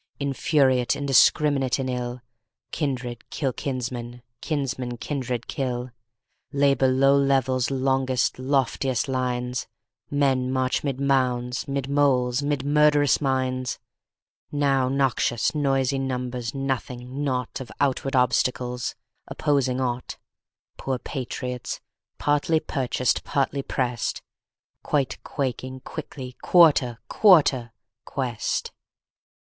Infuriate, indiscrminate in ill, Kindred kill kinsmen, kinsmen kindred kill. Labor low levels longest, lofiest lines; Men march 'mid mounds, 'mid moles, ' mid murderous mines; Now noxious, noisey numbers nothing, naught Of outward obstacles, opposing ought; Poor patriots, partly purchased, partly pressed, Quite quaking, quickly "Quarter! Quarter!" quest.